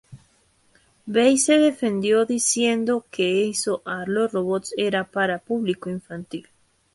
Bay se defendió diciendo que hizo a los robots era para público infantil.